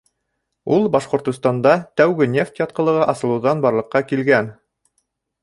Ул Башҡортостанда тәүге нефть ятҡылығы асылыуҙан барлыҡҡа килгән.